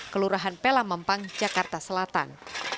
kelurahan pelamampang jakarta selatan